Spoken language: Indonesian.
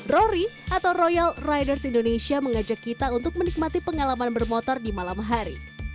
rory atau royal riders indonesia mengajak kita untuk menikmati pengalaman bermotor di malam hari